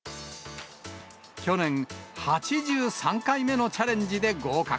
去年、８３回目のチャレンジで合格。